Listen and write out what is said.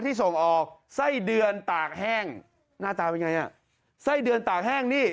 ส่งออกไส้เดือนตากแห้งหน้าตาเป็นไงอ่ะไส้เดือนตากแห้งนี่